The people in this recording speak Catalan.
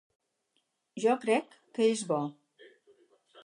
Jo crec que és bo.